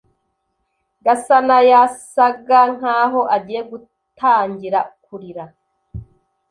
Gasanayasaga nkaho agiye gutangira kurira.